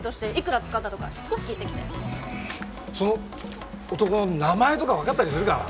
その男の名前とかわかったりするか？